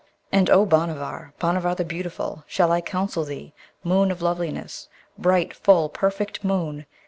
And, O Bhanavar, Bhanavar the Beautiful! shall I counsel thee, moon of loveliness, bright, full, perfect moon!